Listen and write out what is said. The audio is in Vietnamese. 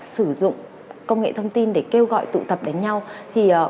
sử dụng công nghệ thông tin để kêu gọi tụ tập đến nhau thì